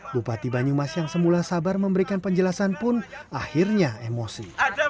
bupati banyumas yang semula sabar memberikan penjelasan pun akhirnya emosi